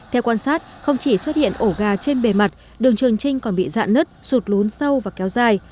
theo quan sát không chỉ xuất hiện ổ gà trên bề mặt đường trường trinh còn bị dạn nứt sụt lún sâu và kéo dài